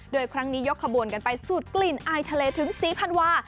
โดยครั้งนี้ยกขบวนกันไปสูดกลิ่นอายทะเลถึงศรีพันวา